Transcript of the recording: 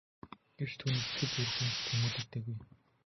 Гэвч түүний сэтгэл зүрх үүнд тэмүүлдэггүй.